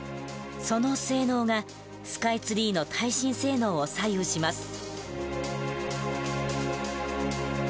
その性能がスカイツリーの耐震性能を左右します。